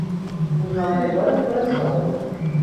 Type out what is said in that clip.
روزنامهنگار پر سابقه